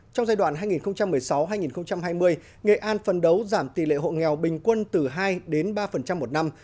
trong giai đoạn hai nghìn một mươi sáu hai nghìn hai mươi nghệ an phần đấu giảm tỷ lệ hộ nghèo bình quân từ hai đến ba một năm